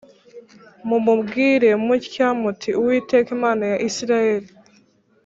mumubwire mutya muti Uwiteka Imana ya Isirayeli